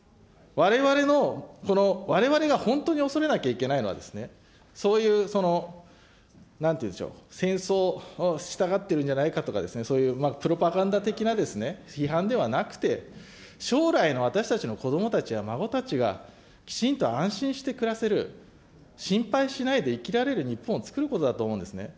われわれの、われわれが本当に恐れなきゃいけないのは、そういうその、なんていうんでしょう、戦争したがってるんじゃないかとか、そういうプロパガンダ的な批判ではなくて、将来の私たちの子どもたちや孫たちがきちんと安心して暮らせる、心配しないで生きられる日本をつくることだと思うんですね。